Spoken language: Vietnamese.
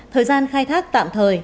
thời gian khai thác tạm thời